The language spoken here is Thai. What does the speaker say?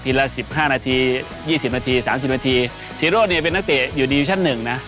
ทีละ๑๕นาที๒๐นาที๓๐นาทีสีโรธเนี่ยเป็นนักเตะอยู่ดีวิชั่น๑นะ